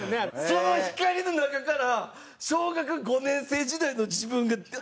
その光の中から小学５年生時代の自分が現れるんですよ。